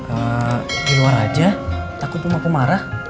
ke di luar aja takut rumahku marah